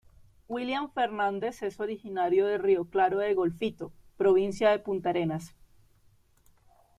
William Fernández es originario de Río Claro de Golfito, provincia de Puntarenas.